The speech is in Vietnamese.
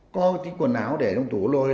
có cái quần áo để trong tủ lôi